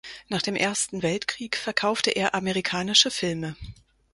Nach dem Ersten Weltkrieg verkaufte er amerikanische Filme.